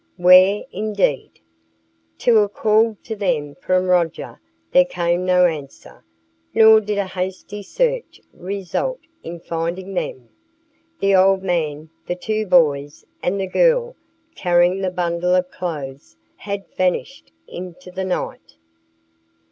Where, indeed? To a call to them from Roger there came no answer, nor did a hasty search result in finding them the old man, the two boys, and the girl carrying the bundle of clothes had vanished into the night.